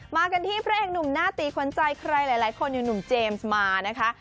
มากันที่พระเอกหนุ่มหน้าตีขวัญใจใครหลายคนอยู่หนุ่มเจมส์มานะคะ